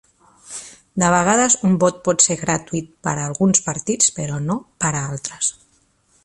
De vegades un vot pot ser gratuït per a alguns partits però no per a altres.